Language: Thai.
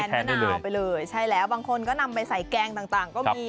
มะนาวไปเลยใช่แล้วบางคนก็นำไปใส่แกงต่างก็มี